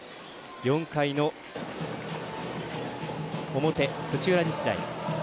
４回の表、土浦日大。